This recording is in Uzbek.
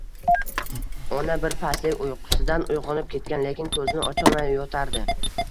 Ona birpaslik uyqusidan uyg‘onib ketgan, lekin ko‘zini ocholmay yotardi